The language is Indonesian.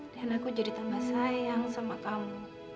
dan aku jadi tambah sayang sama kamu